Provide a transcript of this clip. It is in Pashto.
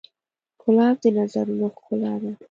ګلاب د نظرونو ښکلا ده.